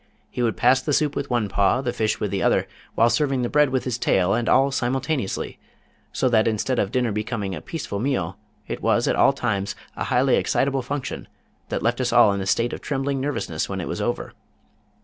He would pass the soup with one paw, the fish with the other, while serving the bread with his tail, and all simultaneously, so that instead of dinner becoming a peaceful meal, it was at all times, a highly excitable function that left us all in a state of trembling nervousness when it was over.